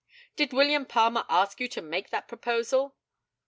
Did William Palmer ask you to make that proposal?